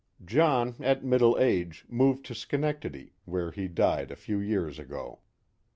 John, at middle age, moved to Schenectady, where he died a few years ago.